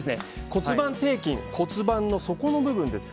骨盤底筋、骨盤の底の部分です。